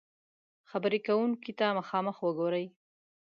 -خبرې کونکي ته مخامخ وګورئ